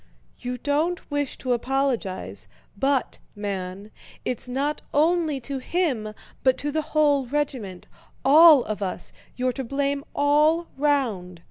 "You don't wish to apologize, but, man, it's not only to him but to the whole regiment—all of us—you're to blame all round.